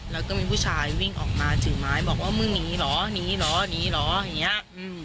แล้วก็มีผู้ชายวิ่งออกมาถือไม้บอกว่ามึงหนีเหรอหนีเหรอหนีเหรออย่างเงี้ยอืม